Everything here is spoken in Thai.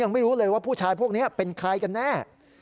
ไม่รู้เลยว่าผู้ชายพวกนี้เป็นใครกันแน่